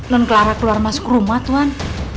len clara keluar masuk rumah tuan